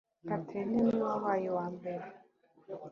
Chatelaine niwe wabaye uwa mbere